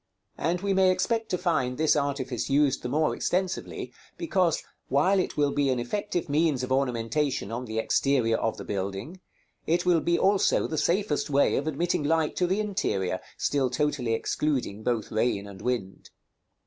And we may expect to find this artifice used the more extensively, because, while it will be an effective means of ornamentation on the exterior of the building, it will be also the safest way of admitting light to the interior, still totally excluding both rain and wind.